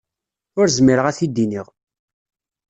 Ur zmireɣ ad t-id-iniɣ.